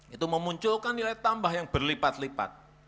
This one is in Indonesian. itu memunculkan nilai tambah yang berlipat lipat